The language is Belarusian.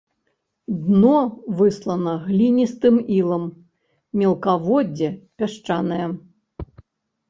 Дно выслана гліністым ілам, мелкаводдзе пясчанае.